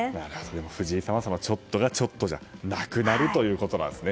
藤井さんはちょっとがちょっとじゃなくなるということですね。